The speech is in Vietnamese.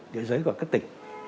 địa giới của các tỉnh